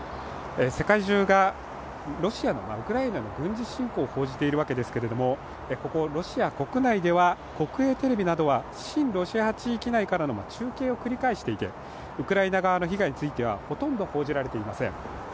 世界中がロシアのウクライナへの軍事侵攻を報じているわけですけれどもここロシア国内では国営テレビなどは親ロシア派地域内からの中継を繰り返していてウクライナ側の被害についてはほとんど報じられていません。